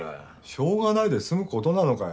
「しょうがない」で済む事なのかよ？